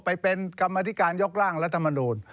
ไปเป็นกรรมธิการยกร่างรัฐมนูล